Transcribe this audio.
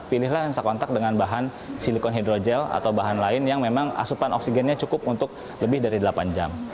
pilihlah lensa kontak dengan bahan silikon hidrogel atau bahan lain yang memang asupan oksigennya cukup untuk lebih dari delapan jam